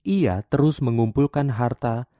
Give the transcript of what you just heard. ia terus mengumpulkan harta